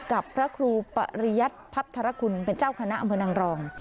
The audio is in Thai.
กับพระครูปริยัติพัพธารคุณเป็นเจ้าคณะเมืองนังรอง